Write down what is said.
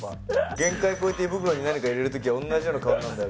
限界超えて胃袋に何か入れる時は同じような顔になるんだよ